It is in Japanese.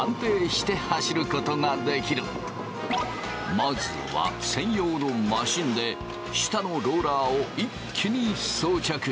まずは専用のマシンで下のローラーを一気に装着。